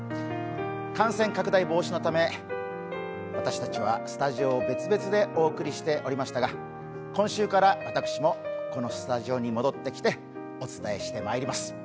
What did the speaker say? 感染拡大防止のため私たちはスタジオを別々でお送りしておりましたが今週から私もこのスタジオに戻ってきてお伝えしてまいります。